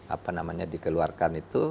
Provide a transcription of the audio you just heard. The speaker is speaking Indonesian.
apa namanya dikeluarkan itu